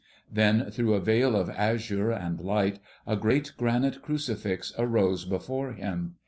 Then through a veil of azure and light a great granite crucifix arose before him.